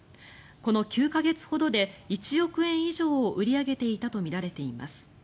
この９か月ほどで１億円以上を売り上げていたとみられています。